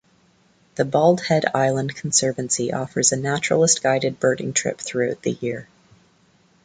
The Bald Head Island Conservancy offers a naturalist guided birding trip throughout the year.